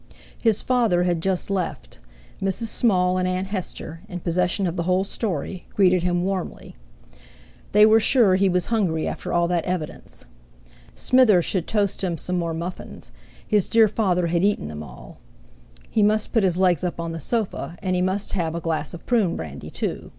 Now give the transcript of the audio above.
His father had just left; Mrs. Small and Aunt Hester, in possession of the whole story, greeted him warmly. They were sure he was hungry after all that evidence. Smither should toast him some more muffins, his dear father had eaten them all. He must put his legs up on the sofa; and he must have a glass of prune brandy too.